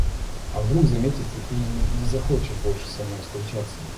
А вдруг заметит и не захочет больше со мной встречаться.